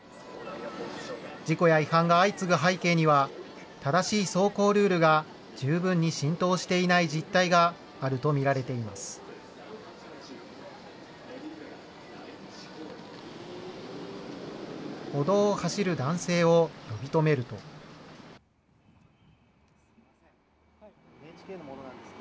事故や違反が相次ぐ背景には、正しい走行ルールが十分に浸透していない実態があると見られています。